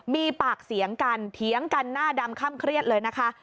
มีปากเสียงกันเถียงกันหน้าดำค่ำเครียดเลยนะคะ